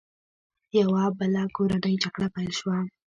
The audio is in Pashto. یوه بله کورنۍ جګړه پیل شوه.